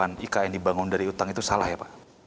dan jadi kalau anggapan ikn dibangun dari utang itu salah ya pak